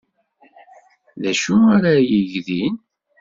D acu ara yeg din?